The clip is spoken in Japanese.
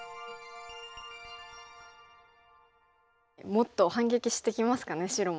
もっと反撃してきますかね白も。